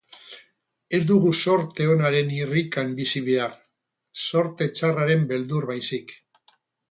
Ez dugu zorte onaren irrikan bizi behar, zorte txarraren beldur baizik.